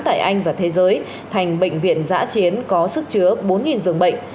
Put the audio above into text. tại anh và thế giới thành bệnh viện giã chiến có sức chứa bốn dường bệnh